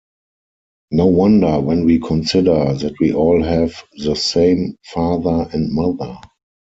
No wonder when we consider that we all have the same Father and Mother.